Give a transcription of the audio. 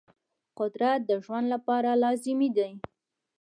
قدرت د ژوند لپاره لازمي دی.